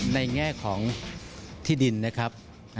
แง่ของที่ดินนะครับ